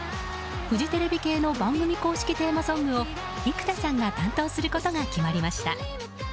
フジテレビ系の番組公式テーマソングを幾田さんが担当することが決まりました。